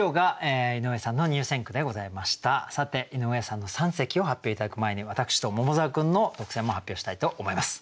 さて井上さんの三席を発表頂く前に私と桃沢君の特選も発表したいと思います。